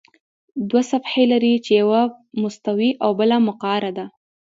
دوه صفحې لري چې یوه مستوي او بله مقعره ده.